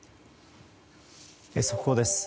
速報です。